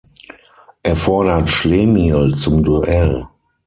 Er fordert Schlemihl zum Duell.